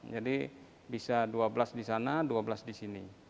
jadi bisa dua belas di sana dua belas di sini